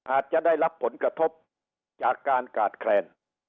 อาจจะได้รับผลกระทบจากการขาดแคลน